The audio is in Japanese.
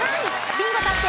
ビンゴ達成！